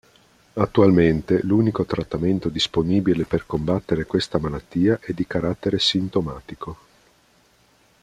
Attualmente, l'unico trattamento disponibile per combattere questa malattia è di carattere sintomatico.